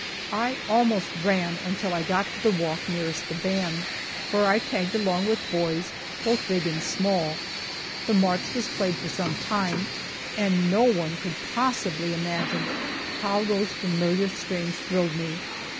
I almost ran until I got to the walk nearest the band, where I tagged along with boys, both big and small. The march was played for some time, and no one could possibly imagine, how those familiar strains thrilled me.